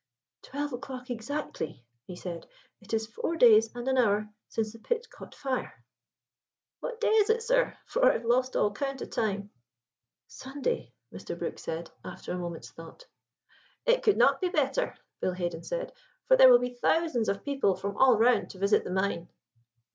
"Twelve o'clock exactly," he replied. "It is four days and an hour since the pit caught fire." "What day is it, sir? for I've lost all count of time." "Sunday," Mr. Brook said after a moment's thought. "It could not be better," Bill Haden said; "for there will be thousands of people from all round to visit the mine."